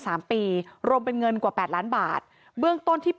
และมีการเก็บเงินรายเดือนจริง